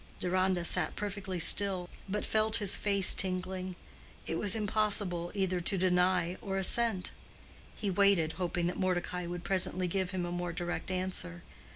Deronda sat perfectly still, but felt his face tingling. It was impossible either to deny or assent. He waited, hoping that Mordecai would presently give him a more direct answer.